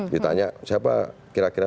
ditanya siapa kira kira